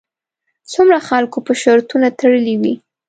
څومره خلکو به شرطونه تړلې وي.